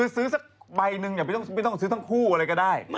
ซื้อสักใบหนึ่งไม่ต้องซื้อทั้งคู่อะไรก็ได้